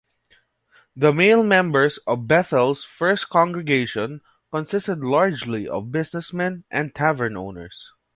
The male members of Beth-El's first congregation consisted largely of businessmen and tavern owners.